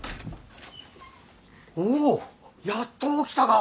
おおやっと起きたか！